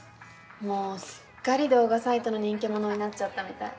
もうすっかり動画サイトの人気者になっちゃったみたい。